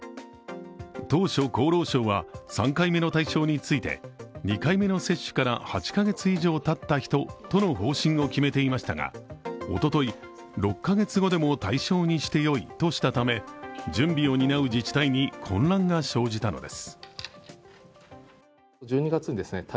当初、厚労省は、３回目の対象について、２回目の接種から８カ月以上たった人との方針を決めていましたがおととい、６カ月後でも対象にしてよいとしたため、準備を担う自治体に混乱が生じたのです。